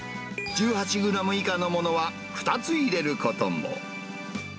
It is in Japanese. １８グラム以下のものは、２つ入れることも。